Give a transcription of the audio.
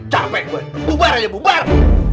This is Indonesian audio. capek bubar aja bubar